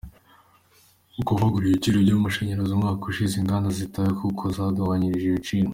Mu kuvugurura ibiciro by’amashanyarazi umwaka ushize, inganda zitaweho kuko zagabanyirijwe ibiciro.